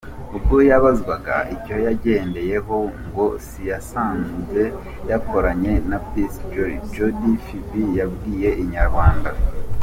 Ubwo yabazwaga icyo yagendeyeho ngo yisange yakoranye na Peace Jolis, Jody Phibi yabwiye Inyarwanda.